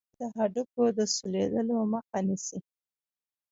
دا د هډوکو د سولیدلو مخه نیسي.